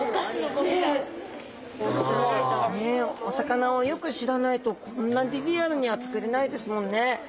お魚をよく知らないとこんなにリアルには作れないですもんね。